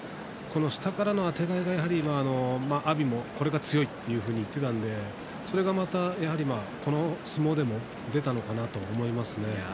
下からのあてがいが阿炎もこれが強いと言っていたのでそれがやはりまたこの相撲でも出たのかなと思いますね。